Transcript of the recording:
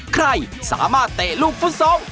ใครสามารถเตะลูกฟุตซอล